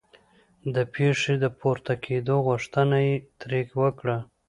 د پښې د پورته کېدو غوښتنه یې ترې وکړه.